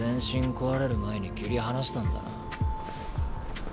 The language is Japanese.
壊れる前に切り離したんだな。